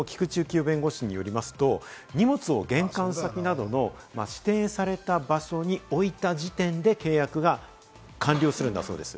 菊地幸夫弁護士によりますと、荷物を玄関先などの指定された場所に置いた時点で契約が完了するんだそうです。